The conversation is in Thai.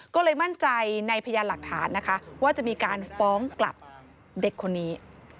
ก็เลยมั่นใจในพยานหลักฐานนะคะว่าจะมีการฟ้องกลับเด็กคนนี้